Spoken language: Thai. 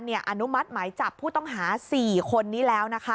อนุมัติหมายจับผู้ต้องหา๔คนนี้แล้วนะคะ